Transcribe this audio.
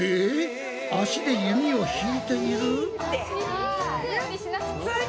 足で弓を引いている！？